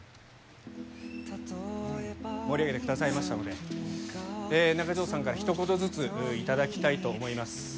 盛り上げてくださいましたので中条さんからひと言ずつ頂きたいと思います。